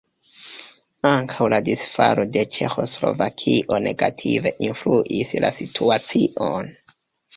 Ankaŭ la disfalo de Ĉeĥoslovakio negative influis la situacion.